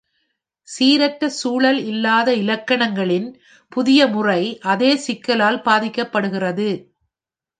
சீரற்ற சூழல் இல்லாத இலக்கணங்களின் புதிய முறை அதே சிக்கலால் பாதிக்கப்படுகிறது.